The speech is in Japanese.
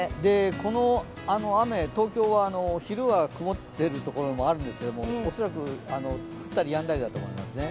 この雨、東京は曇っているところもあるんですけど恐らく降ったりやんだりだと思いますね。